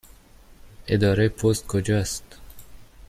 اداره پست کجا است؟